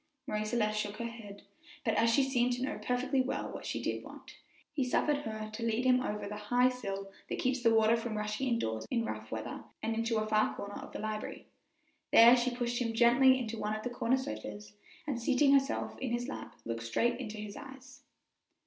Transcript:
Marie Celeste shook her head, but as she seemed to know perfectly well what she did want, he suffered her to lead him over the high sill that keeps the water from rushing indoors in rough weather, and past the main stairway, and into a far corner of the library. There she pushed him gently into one of the corner sofas, and seating herself in his lap, looked straight into his eyes.